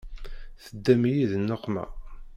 Teddam-iyi di nneqma.